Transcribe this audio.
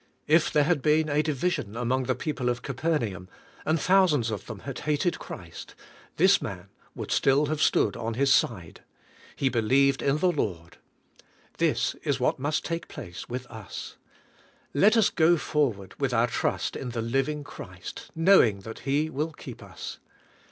If there had been a division among the people of Capernaum, and thousands of them had hated Christ, this man would still have stood on His side. He believed in the Lord. This is what must take place with us. Let us go forward with our trust in the living Christ, knowing that He will keep us.